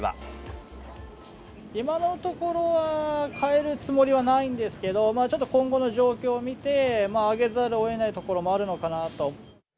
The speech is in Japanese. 今のところは、変えるつもりはないんですけど、ちょっと今後の状況を見て、上げざるをえないところもあるのかなと。